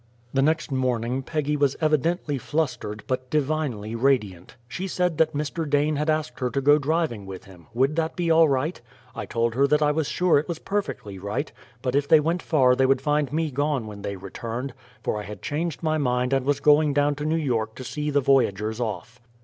The next morning Peggy was evidently flustered, but divinely radiant. She said that Mr. Dane had asked her to go driving with him would that be all right? I told her that I was sure it was perfectly right, but if they went far they would find me gone when they returned, for I had changed my mind and was going down to New York to see the voyagers off.